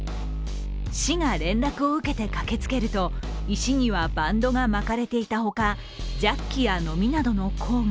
市が連絡を受けて駆けつけると石にはバンドが巻かれていたほかジャッキやノミなどの工具